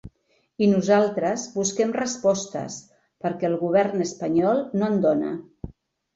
I nosaltres busquem respostes perquè el govern espanyol no en dóna.